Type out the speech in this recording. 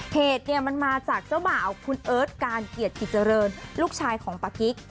เหตุเนี่ยมันมาจากเจ้าบ่าวคุณเอิร์ทการเกียรติกิจเจริญลูกชายของปะกิ๊ก